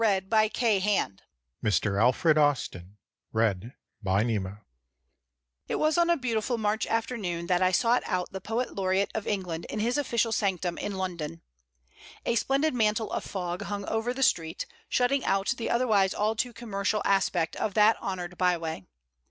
ALFRED AUSTIN It was on a beautiful March afternoon that I sought out the Poet Laureate of England in his official sanctum in London. A splendid mantle of fog hung over the street, shutting out the otherwise all too commercial aspect of that honored by way.